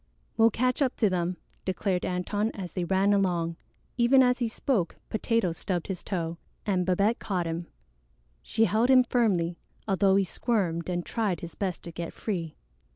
"We'll catch up to them," declared Antone as they ran along. Even as he spoke, Potato stubbed his toe, and Babette caught him. She held him firmly, although he squirmed and tried his best to get free.